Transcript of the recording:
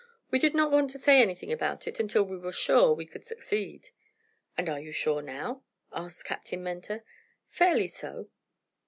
We did not want to say anything about it until we were sure we could succeed." "And are you sure now?" asked Captain Mentor. "Fairly so."